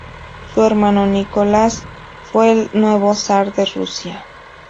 Su hermano Nicolás fue el nuevo zar de Rusia.